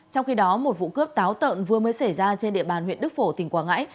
trong khi đó một vụ cướp táo tợn vừa mới xảy ra trên địa bàn huyện đức phổ tỉnh quảng ngãi